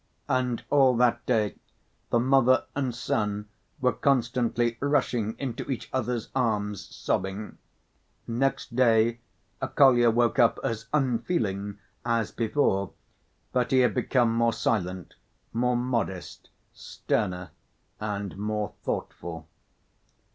And all that day the mother and son were constantly rushing into each other's arms sobbing. Next day Kolya woke up as "unfeeling" as before, but he had become more silent, more modest, sterner, and more thoughtful.